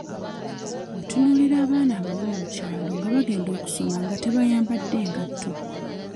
Otunuulira abaana abamu mu kyalo nga bagenda okusoma nga tebambadde ngatto.